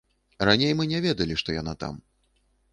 Раней мы не ведалі, што яна там.